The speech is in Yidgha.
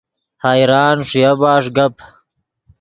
حیران ݰویا بݰ گپ